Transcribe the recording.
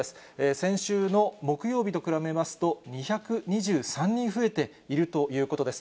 先週の木曜日と比べますと、２２３人増えているということです。